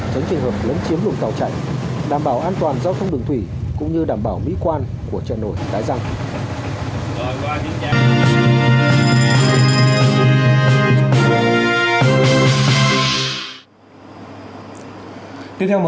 chống trình hợp lấn chiếm luồng tàu chạy đảm bảo an toàn giao thông đường thủy cũng như đảm bảo mỹ quan của trợ nổi đáy răng